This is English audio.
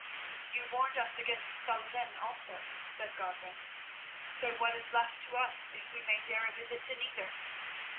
"You warned us against Saladin also," said Godwin, "so what is left to us if we may dare a visit to neither?"